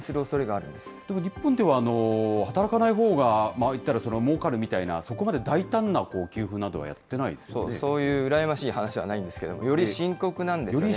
日本では働かないほうが、言ったらもうかるみたいな、そこまで大胆な給付などはやってないでそういう羨ましい話はないんですけれども、より深刻なんですよね。